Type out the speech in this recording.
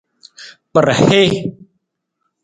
Kpada hii.